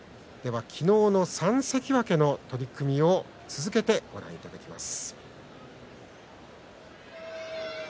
昨日の３関脇の取組を続けてご覧いただきます。